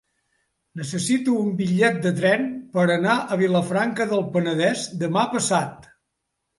Necessito un bitllet de tren per anar a Vilafranca del Penedès demà passat.